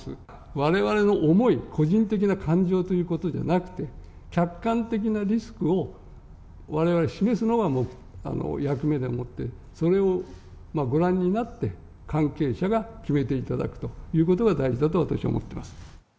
われわれの思い、個人的な感情ということじゃなくて、客観的なリスクを、われわれ示すのが役目でもって、それをご覧になって、関係者が決めていただくということが大事だと私は思ってます。